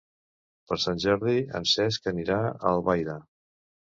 Per Sant Jordi en Cesc anirà a Albaida.